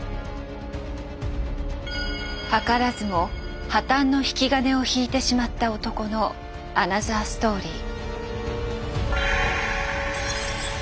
図らずも破たんの引き金を引いてしまった男のアナザーストーリー。